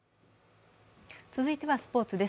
続いてはスポーツです。